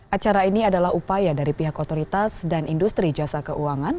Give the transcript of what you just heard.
acara ini adalah upaya dari pihak otoritas dan industri jasa keuangan